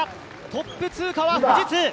トップ通過は富士通。